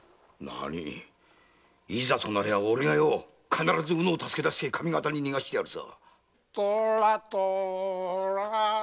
いざとなりゃ俺が必ず卯之を助け出して上方に逃がしてやるさ。